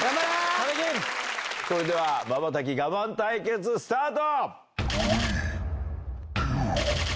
それではまばたき我慢対決、スタート。